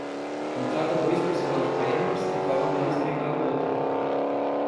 Contrata dois personal trainers e faz um deles treinar o outro.